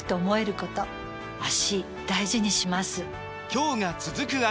今日が、続く脚。